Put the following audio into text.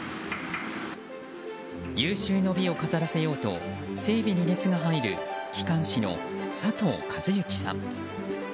有終の美を飾らせようと整備に熱が入る機関士の佐藤和幸さん。